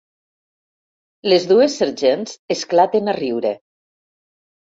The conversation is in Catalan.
Les dues sergents esclaten a riure.